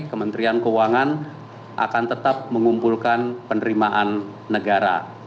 kementerian keuangan akan tetap mengumpulkan penerimaan negara